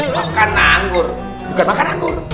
makan anggur bukan makan anggur